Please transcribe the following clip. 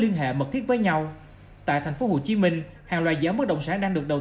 quan trọng thiết với nhau tại thành phố hồ chí minh hàng loài giáo bất động sản đang được đầu